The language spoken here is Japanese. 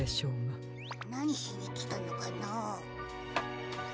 なにしにきたのかなあ？